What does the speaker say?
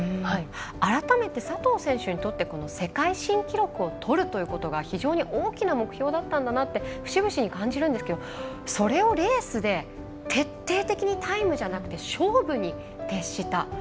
改めて佐藤選手にとって世界新記録をとるということが非常に大きな目標だったんだなって節々に感じるんですがそれをレースで徹底的にタイムじゃなくて勝負に徹した。